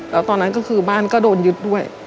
แล้วตอนนั้นก็คือบ้านก็โดนยึดด้วย